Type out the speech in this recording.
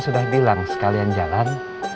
sekarang sekalian jalan